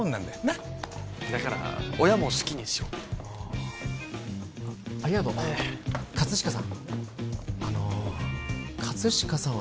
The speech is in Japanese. なっだから親も好きにしろってああありがとう葛飾さん